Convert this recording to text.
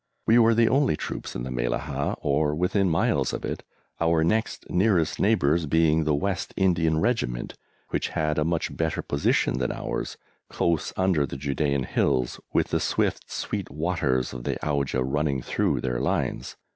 We were the only troops in the Mellahah, or within miles of it, our next nearest neighbours being the West Indian Regiment, which had a much better position than ours, close under the Judæan hills, with the swift sweet waters of the Auja running through their lines.